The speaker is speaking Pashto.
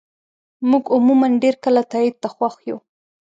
موږ عموماً ډېر کله تایید ته خوښ یو.